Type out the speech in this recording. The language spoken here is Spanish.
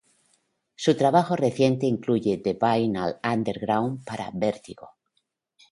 Su trabajo reciente incluye "The Vinyl Underground" para "Vertigo".